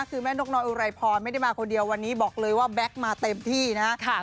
คือแม่นกน้อยอุไรพรไม่ได้มาคนเดียววันนี้บอกเลยว่าแบ็คมาเต็มที่นะครับ